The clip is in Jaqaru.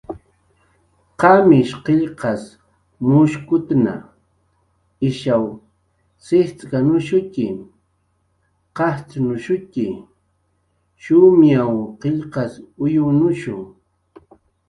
"Qamish qillqas mushkutna, ishaw jicx'k""anushutxi, qajcxnushutxi, shumayw qillqas uyunushu"